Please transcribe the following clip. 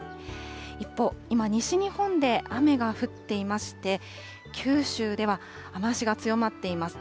一方、今、西日本で雨が降っていまして、九州では雨足が強まっています。